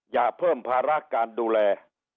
อย่าเพิ่มภาระการดูแล